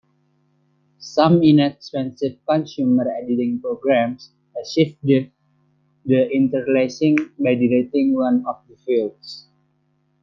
Some inexpensive consumer editing programs achieve de-interlacing by deleting one of the fields.